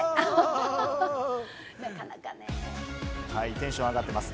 テンション上がってます。